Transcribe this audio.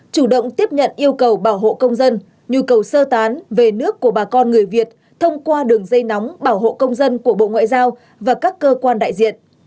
chủ động tiếp nhận yêu cầu bảo hộ công dân nhu cầu sơ tán về nước của bà con người việt thông qua đường dây nóng bảo hộ công dân của bộ ngoại giao và các cơ quan đại diện